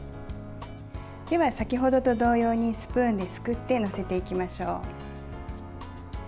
では、先程と同様にスプーンですくって載せていきましょう。